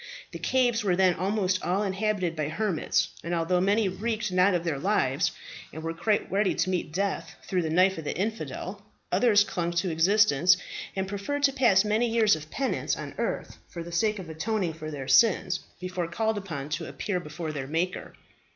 The caves were then almost all inhabited by hermits, and although many recked not of their lives, and were quite ready to meet death through the knife of the infidel, others clung to existence, and preferred to pass many years of penance on earth for the sake of atoning for their sins before called upon to appear before their Maker.